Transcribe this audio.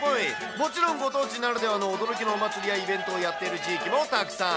もちろんご当地ならではの驚きのお祭りやイベントをやっている地域もたくさん。